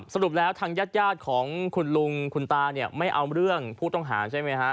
สรุปแล้วทางญาติของคุณลุงคุณตาเนี่ยไม่เอาเรื่องผู้ต้องหาใช่ไหมฮะ